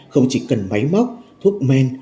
không chỉ cần máy móc thuốc men